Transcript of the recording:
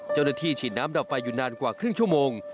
ฉีดน้ำดับไฟอยู่นานกว่าครึ่งชั่วโมง